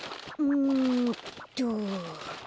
んっと。